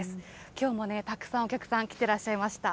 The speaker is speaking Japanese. きょうもたくさんお客さん来てらっしゃいました。